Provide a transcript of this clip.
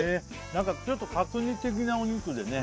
何かちょっと角煮的なお肉でね